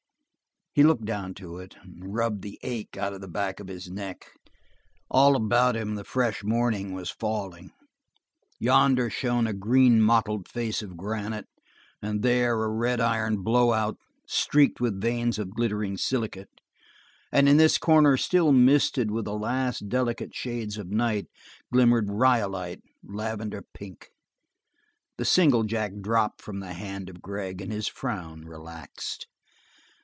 He looked down to it, and rubbed the ache out of the back of his neck. All about him the fresh morning was falling; yonder shone a green mottled face of granite, and there a red iron blow out streaked with veins of glittering silicate, and in this corner, still misted with the last delicate shades of night, glimmered rhyolite, lavender pink. The single jack dropped from the hand of Gregg, and his frown relaxed.